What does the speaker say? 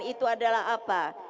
itu adalah apa